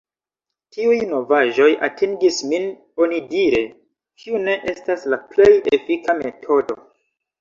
Tiuj novaĵoj atingis min “onidire”, kiu ne estas la plej efika metodo.